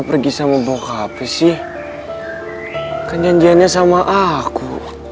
pergi sama bokapis sih kan janjiannya sama aku